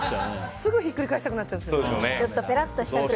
すぐひっくり返したくなっちゃうんですよ。